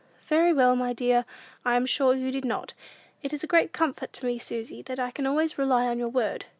"Very well, my dear; I am sure you did not. It is a great comfort to me, Susy, that I can always rely on your word.